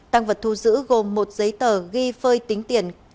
tăng vật thu giữ gồm một giấy tờ ghi phơi tính tiền